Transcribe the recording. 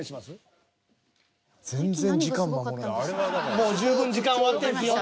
もう十分時間終わってんすよ。